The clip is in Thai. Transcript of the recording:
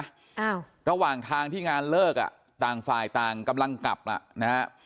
อ้าวระหว่างทางที่งานเลิกอ่ะต่างฝ่ายต่างกำลังกลับอ่ะนะฮะ